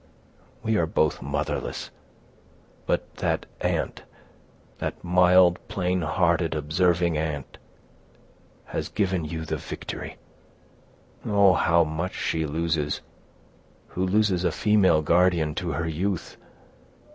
We are both motherless; but that aunt—that mild, plain hearted, observing aunt, has given you the victory. Oh! how much she loses, who loses a female guardian to her youth.